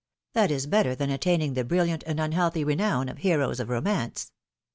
That is better than attaining the 16 author's preface. brilliant and unhealthy renown of heroes of romance.